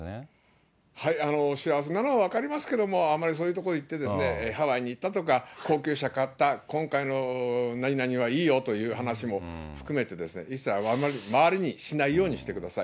幸せなのは分かりますけど、あまりそういう所に行って、ハワイに行ったとか、高級車買った、今回の何々はいいよという話も含めてですね、一切周りにしないようにしてください。